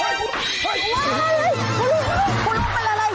แค่นี้เลย